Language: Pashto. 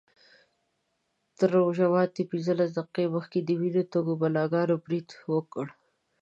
تر روژه ماتي پینځلس دقیقې مخکې د وینو تږو بلاګانو برید وکړ.